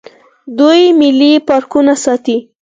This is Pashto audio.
دوی ملي پارکونه ساتي.